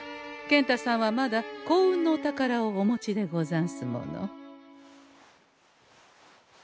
健太さんはまだ幸運のお宝をお持ちでござんすもの。